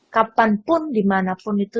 kapanpun dimanapun itu